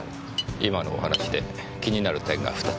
今のお話で気になる点が２つ。